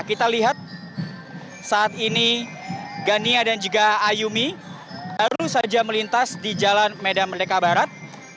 kita lihat saat ini gania dan juga ayumi baru saja melintas di jalan medan merdeka barat